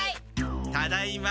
ただいま。